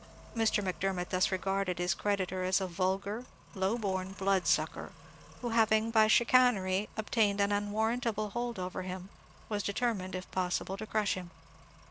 Mr. Macdermot thus regarded his creditor as a vulgar, low born blood sucker, who, having by chicanery obtained an unwarrantable hold over him, was determined, if possible, to crush him.